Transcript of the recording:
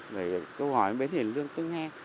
rồi câu hỏi bến hiền lương tôi nghe